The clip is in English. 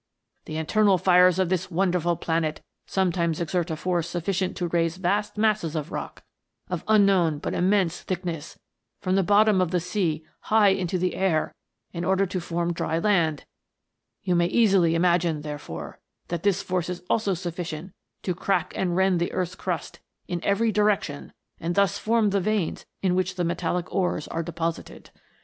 The internal fires of this wonderful planet sometimes exert a force sufficient to raise vast masses of rock, of unknown but immense thickness, from the bottom of the sea high into the air, in order to form dry land ; you may easily imagine, therefore, that this force is also sufficient to crack and rend the earth's crust in every direction, and thus form the veins in which the metallic ores are deposited.